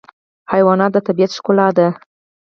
حیوانات د طبیعت ښکلا ده.